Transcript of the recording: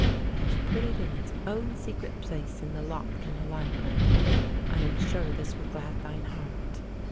I have put it in its own secret place in the lock in the library. I am sure this will glad thine heart.